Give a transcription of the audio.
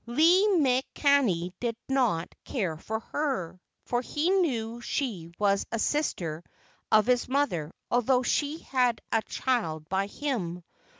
Lei makani did not care for her, for he knew she was a sister of his mother although she had a child by him.